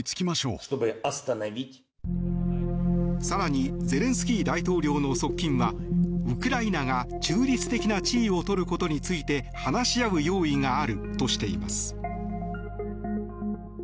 更にゼレンスキー大統領の側近はウクライナが中立的な地位を取ることについて話し合う用意があるとしています。